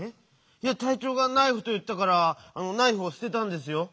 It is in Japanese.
いやたいちょうが「ナイフ」といったからナイフをすてたんですよ。